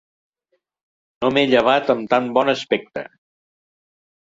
No m'he llevat amb tan bon aspecte.